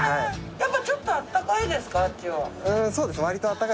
やっぱちょっと暖かいですか？